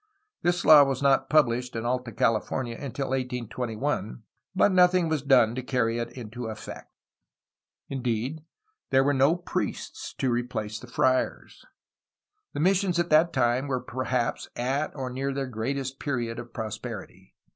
This law was not published in Alta California until 1821, but nothing was done to carry it into effect. Indeed, there were no priests to replace the friars. The missions at that time were perhaps at or near their greatest period of prosperity.